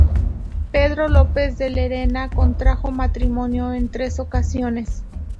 Pedro López de Lerena contrajo matrimonio en tres ocasiones.